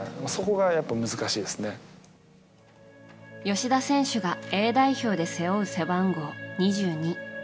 吉田選手がＡ代表で背負う背番号２２。